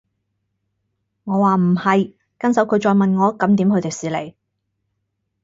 我話唔係，跟手佢再問我咁點去迪士尼